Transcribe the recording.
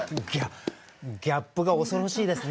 ギャップが恐ろしいですね